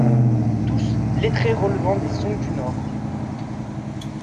Tous, lettrés relevant des Song du Nord.